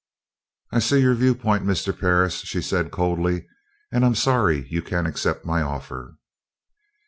"I see your viewpoint, Mr. Perris," she said coldly. "And I'm sorry you can't accept my offer."